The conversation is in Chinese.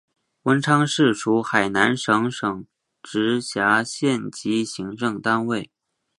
文昌市属海南省省直辖县级行政单位。